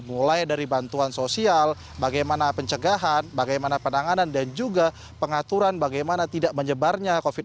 mulai dari bantuan sosial bagaimana pencegahan bagaimana penanganan dan juga pengaturan bagaimana tidak menyebarnya covid sembilan belas